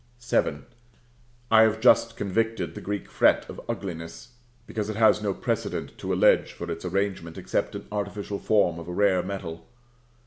VII. I have just convicted the Greek fret of ugliness, because it has no precedent to allege for its arrangement except an artificial form of a rare metal.